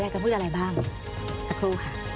อยากมารอบตัวผมมาอย่างนี้อยากมาห้อมตัวผมมาอย่างนี้